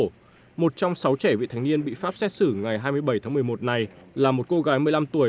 năm hai nghìn hai mươi một trong sáu trẻ vị thánh niên bị pháp xét xử ngày hai mươi bảy tháng một mươi một này là một cô gái một mươi năm tuổi